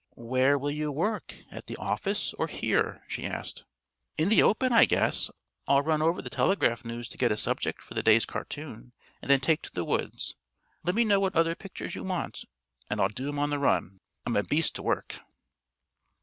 "Where will you work, at the office or here?" she asked. "In the open, I guess. I'll run over the telegraph news to get a subject for the day's cartoon, and then take to the woods. Let me know what other pictures you want and I'll do 'em on the run. I'm a beast to work."